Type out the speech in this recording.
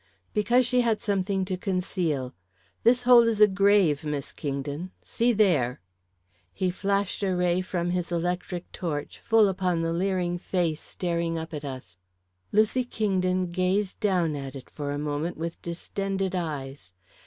"Because she had something to conceal. This hole is a grave, Miss Kingdon. See there." He flashed a ray from his electric torch full upon the leering face staring up at us. Lucy Kingdon gazed down at it for a moment with distended eyes.